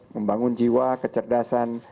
membangun jiwa kecerdasan